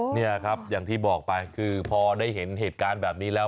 นี่ครับอย่างที่บอกไปคือพอได้เห็นเหตุการณ์แบบนี้แล้ว